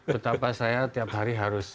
betapa saya tiap hari harus